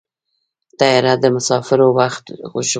طیاره د مسافرو وخت ژغوري.